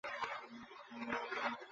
একটু ছিদ্রও ছিল।